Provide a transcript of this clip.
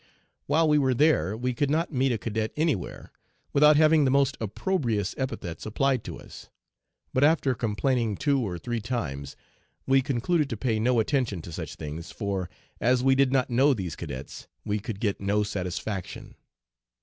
"While we were there we could not meet a cadet anywhere without having the most opprobrious epithets applied to us; but after complaining two or three times, we concluded to pay no attention to such things, for, as we did not know these cadets, we could get no satisfaction.